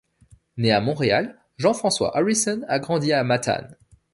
Né à Montréal, Jean-François Harrisson a grandi à Matane.